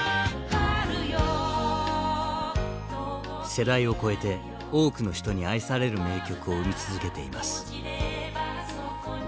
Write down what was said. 世代を超えて多くの人に愛される名曲を生み続けています。